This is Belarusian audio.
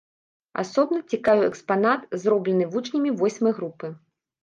Асобна цікавіў экспанат, зроблены вучнямі восьмай групы.